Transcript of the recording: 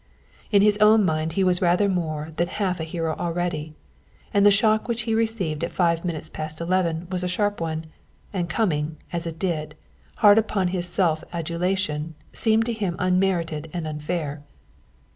In his own mind he was rather more than half a hero already, and the shock which he received at five minutes past eleven was a sharp one, and coming, as it did, hard upon his self adulation seemed to him unmerited and unfair.